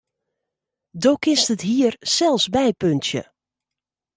Do kinst it hier sels bypuntsje.